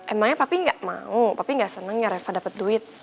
emangnya papi gak mau papi gak seneng ya reva dapet duit